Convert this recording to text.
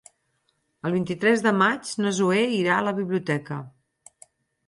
El vint-i-tres de maig na Zoè irà a la biblioteca.